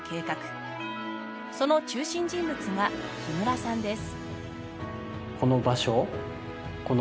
その中心人物が木村さんです。